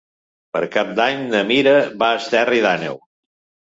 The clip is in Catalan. Per Cap d'Any na Mira va a Esterri d'Àneu.